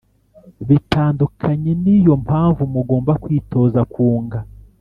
Bitandukanye ni yo mpamvu mugomba kwitoza kunga